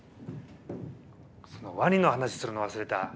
そのワニの話するの忘れた。